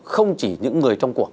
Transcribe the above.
không chỉ những người trong cuộc